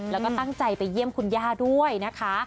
แล้วก็ตั้งใจไปเยี่ยมคุณย่าด้วยนะคะ